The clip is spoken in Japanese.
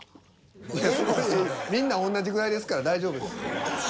みんな同じぐらいですから大丈夫です。